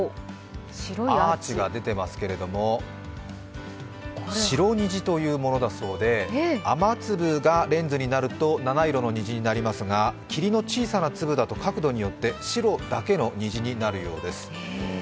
アーチが出ていますけれども、白虹というものだそうで雨粒がレンズになると七色の虹なりますが、霧の小さな粒だと、角度によって白だけの虹になるようです。